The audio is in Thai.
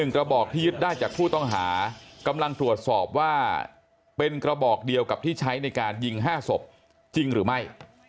กระบอกที่ยึดได้จากผู้ต้องหากำลังตรวจสอบว่าเป็นกระบอกเดียวกับที่ใช้ในการยิง๕ศพจริงหรือไม่